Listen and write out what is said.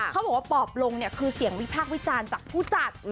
เขาบอกว่าปอบลงเนี่ยคือเสียงวิพากษ์วิจารณ์จากผู้จัด